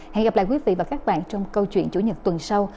hẹn gặp lại quý vị và các bạn trong câu chuyện chủ nhật tuần sau